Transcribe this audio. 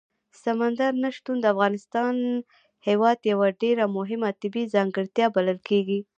سمندر نه شتون د افغانستان هېواد یوه ډېره مهمه طبیعي ځانګړتیا بلل کېږي.